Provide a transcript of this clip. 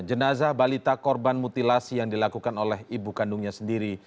jenazah balita korban mutilasi yang dilakukan oleh ibu kandungnya sendiri